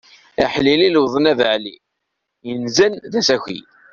Aḥlil lewḍen abaɛli, yenzan d asuki!